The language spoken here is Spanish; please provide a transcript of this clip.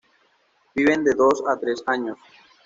Viven de dos a tres años.